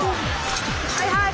はいはい。